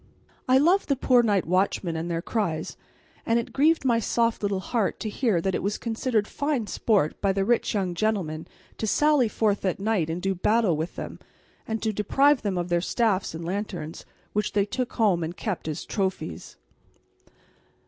I loved the poor night watchmen and their cries, and it grieved my little soft heart to hear that it was considered fine sport by the rich young gentlemen to sally forth at night and do battle with them, and to deprive them of their staffs and lanterns, which they took home and kept as trophies.